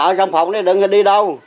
ờ ở trong phòng thì đừng có đi đâu